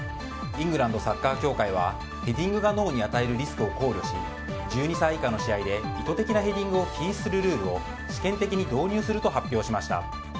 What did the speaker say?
イングランドサッカー協会はヘディングが脳に与えるリスクを考慮し１２歳以下の試合で意図的なヘディングを禁止するルールを試験的に導入すると発表しました。